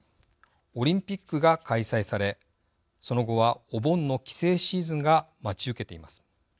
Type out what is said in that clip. オリンピックが開催されその後はお盆の帰省シーズンが待ち受けています。